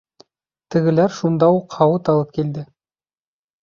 Тегеләр шунда уҡ һауыт алып килде.